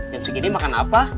jam segini makan apa